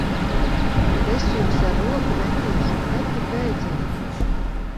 Kad es jums ar roku metīšu, tad tik bēdziet!